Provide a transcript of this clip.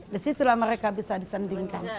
disitulah mereka bisa disandingkan